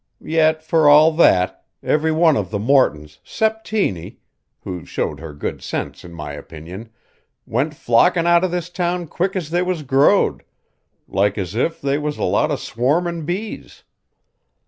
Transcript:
Yet for all that, every one of the Mortons 'cept Tiny (who showed her good sense, in my opinion) went flockin' out of this town quick as they was growed, like as if they was a lot of swarmin' bees.